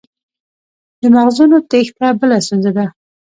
د مغزونو تیښته بله ستونزه ده.